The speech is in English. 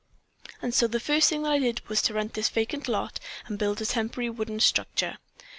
And so the first thing that I did was to rent this vacant lot and build a temporary wooden structure.